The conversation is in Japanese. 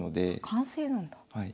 完成なんだ。